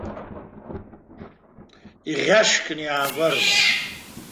Иӷьашкны иаагәарлон.